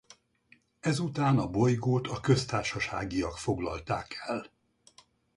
Ez után a bolygót a Köztársaságiak foglalták el.